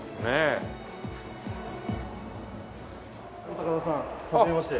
高田さんはじめまして。